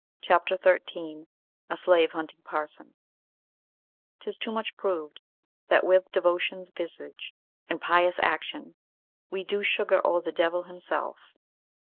CHAPTER XIII A SLAVE HUNTING PARSON "'Tis too much prov'd that with devotion's visage, And pious action, we do sugar o'er the devil himself."